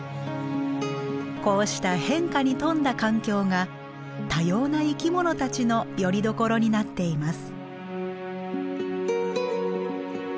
こうした変化に富んだ環境が多様な生きものたちのよりどころになっています。